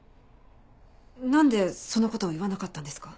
なんでその事を言わなかったんですか？